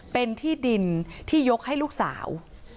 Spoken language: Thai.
เป็นที่ดินที่ยกให้ลูกสาว